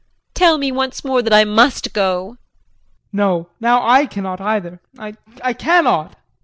Tell me once more that I must go. JEAN. No, now I cannot either I cannot. JULIE.